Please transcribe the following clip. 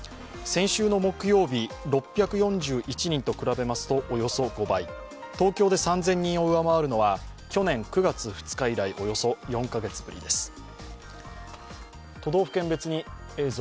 先週の木曜日６４１人と比べますとおよそ５倍、東京で３０００人を上回るのは去年９月２日以来、およそ４カ月ぶりです。